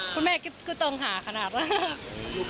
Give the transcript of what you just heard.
คุณแม่ก็ต้องหาขนาด